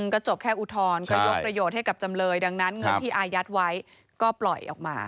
ก็จบแค่อุทธรณ์ก็ยกประโยชน์ให้กับจำเลยดังนั้นเงินที่อายัดไว้ก็ปล่อยออกมา